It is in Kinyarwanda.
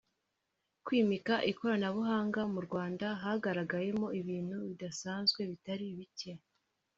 Kwimika ikoranabuhanga mu Rwanda” hagaragayemo ibintu bidasanzwe bitari bike